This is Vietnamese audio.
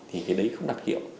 thì cái đấy không đặc hiệu